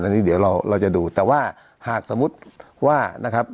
อันนี้เดี๋ยวเราจะดูแต่ว่าหากสมมุติว่านะครับ